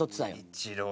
イチロー。